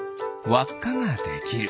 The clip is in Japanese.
わっかができる。